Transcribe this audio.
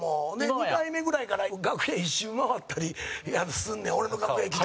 ２回目ぐらいから楽屋、１周、回ったり進んで、俺の楽屋来て。